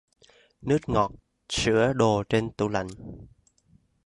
Nước ngọt sữa đồ trên tủ lạnh